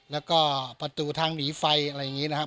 แล้วก็ประตูทางหนีไฟอะไรอย่างนี้นะครับ